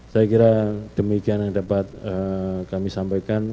saya kira demikian yang dapat kami sampaikan